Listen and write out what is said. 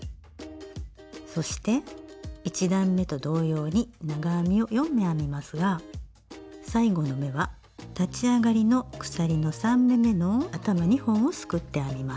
そして１段めと同様に長編みを４目編みますが最後の目は立ち上がりの鎖の３目めの頭２本をすくって編みます。